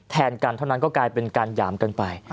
แทนกันเท่านั้นก็กลายเป็นการหยามกันไป